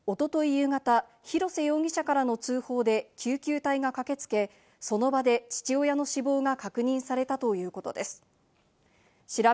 夕方、廣瀬容疑者からの通報で救急隊が駆けつけ、その場関東のお天気です。